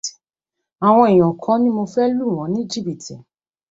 Àwọn èèyàn kan ní mo fẹ́ lù wọ́n ní jìbìtì